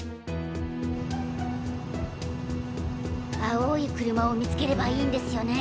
青い車を見つければいいんですよね。